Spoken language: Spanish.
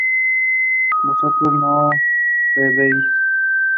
¿vosotros no bebisteis?